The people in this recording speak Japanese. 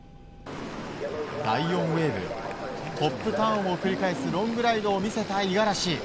第４ウェーブトップターンを繰り返すロングライドを見せた五十嵐。